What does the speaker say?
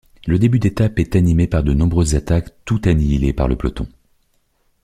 Le début d'étape est animé par de nombreuses attaques, toutes annihilées par le peloton.